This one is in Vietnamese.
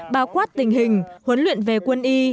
bao quát tình hình huấn luyện về quân y